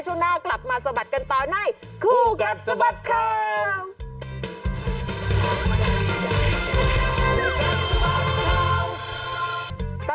ช่วงหน้ากลับมาสะบัดกันต่อในคู่กัดสะบัดข่าว